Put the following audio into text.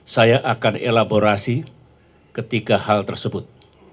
saya akan elaborasi ketiga hal tersebut